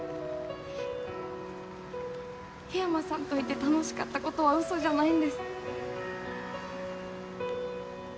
緋山さんといて楽しかったことはうそじゃないんです。